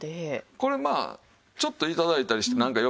これまあちょっと頂いたりしてなんかよ